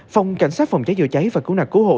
phòng cảnh sát phòng cháy cháy và cứu nạc cứu hộ